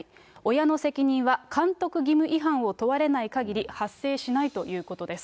親の責任は監督義務違反を問われないかぎり発生しないということです。